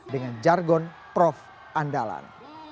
dengan jargon prof andalan